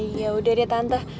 eh yaudah deh tante